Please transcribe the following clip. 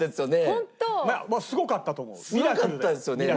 すごかったと思う。